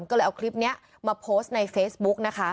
ก็เลยเอาคลิปนี้มาโพสต์ในเฟซบุ๊กนะคะ